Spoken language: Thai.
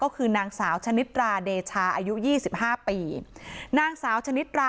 คือนางสาวฉนิตราเดชาอายุ๒๕ปี